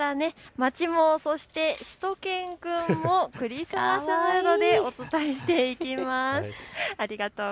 街も、そしてしゅと犬くんもクリスマスムードでお伝えしていきます。